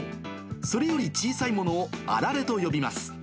それより小さいものをあられと呼びます。